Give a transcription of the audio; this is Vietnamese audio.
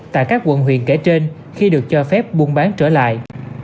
tại các quận huyện kể trên khi được cho phép buôn bán trở lại